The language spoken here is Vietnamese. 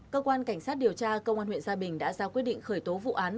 cơ quan cảnh sát điều tra công an huyện gia bình đã ra quyết định khởi tố vụ án